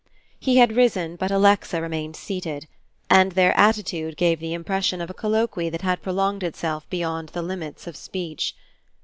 He had risen, but Alexa remained seated; and their attitude gave the impression of a colloquy that had prolonged itself beyond the limits of speech.